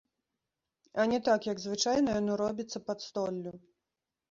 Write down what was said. А не так, як звычайна яно робіцца пад столлю.